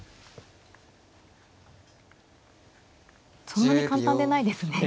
そんなに簡単でないですね。